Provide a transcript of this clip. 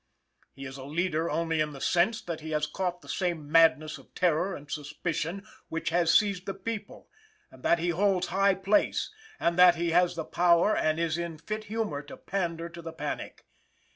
He is a leader only in the sense that he has caught the same madness of terror and suspicion which has seized the people, that he holds high place, and that he has the power and is in a fit humor to pander to the panic.